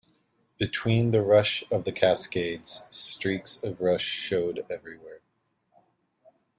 Between the rush of the cascades, streaks of rust showed everywhere.